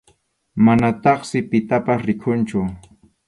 Manataqsi pitapas rikunchu.